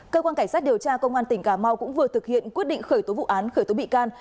cơ quan cảnh sát điều tra công an tỉnh cà mau cũng vừa thực hiện quyết định khởi tố vụ án khởi tố bị can